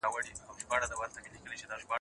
که سړی شرم وکړي نو کړاو به وګوري.